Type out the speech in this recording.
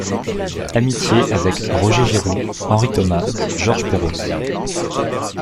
Amitié avec Roger Giroux, Henri Thomas, Georges Perros.